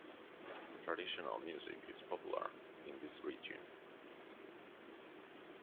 Traditional music is popular in this region.